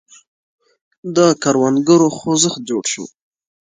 د کروندګرو خوځښت جوړ شو.